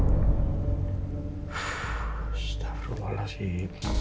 astaga malah sih